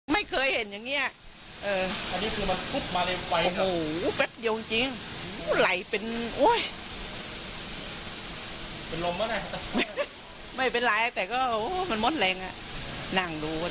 ไม่เคยเห็นอย่างงี้อ่ะเออิ้วอูแป๊บเย็นจริงไหลเป็นโอ้ย